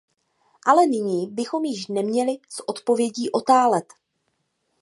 Ale nyní bychom již neměli s odpovědí otálet.